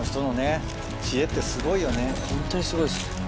ホントにすごいっす。